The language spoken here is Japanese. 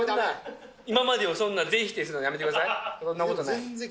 今までをそんな、全否定するのやめてください。